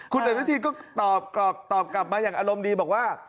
คุณอนุทีนก็ตอบกลับมาอย่างอารมณ์ดีบอกว่า